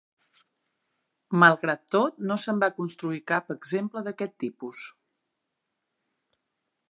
Malgrat tot, no se'n va construir cap exemple d'aquest tipus.